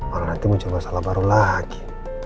orang nanti muncul masalah baru lagi